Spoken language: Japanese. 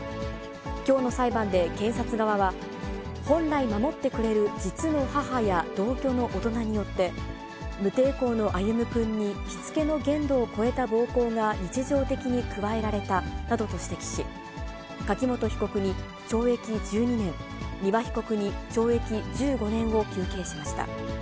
きょうの裁判で検察側は、本来守ってくれる実の母や同居の大人によって、無抵抗の歩夢くんにしつけの限度を超えた暴行が日常的に加えられたなどと指摘し、柿本被告に懲役１２年、丹羽被告に懲役１５年を求刑しました。